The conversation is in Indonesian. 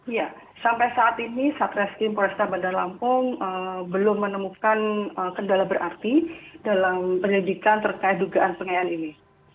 iya sampai saat ini satreskrim polresta bandar lampung belum menemukan kendala berarti dalam penyelidikan terkait dugaan pengayaan ini